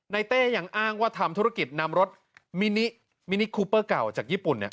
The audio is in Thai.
เต้ยังอ้างว่าทำธุรกิจนำรถมินิคูเปอร์เก่าจากญี่ปุ่น